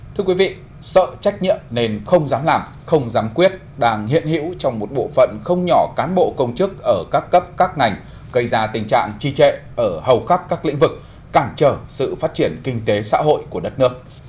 thưa quý vị sợ trách nhiệm nên không dám làm không dám quyết đang hiện hữu trong một bộ phận không nhỏ cán bộ công chức ở các cấp các ngành gây ra tình trạng trì trệ ở hầu khắp các lĩnh vực cản trở sự phát triển kinh tế xã hội của đất nước